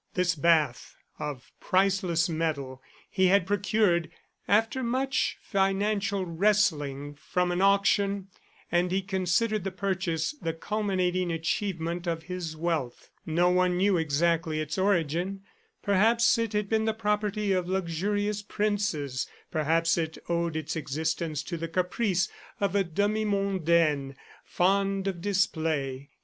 This bath of priceless metal he had procured, after much financial wrestling, from an auction, and he considered the purchase the culminating achievement of his wealth. No one knew exactly its origin; perhaps it had been the property of luxurious princes; perhaps it owed its existence to the caprice of a demi mondaine fond of display.